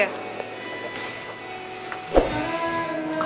kamu masih inget apa